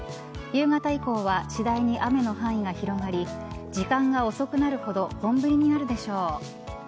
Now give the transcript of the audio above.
夕方以降は次第に雨の範囲が広がり時間が遅くなるほど本降りになるでしょう。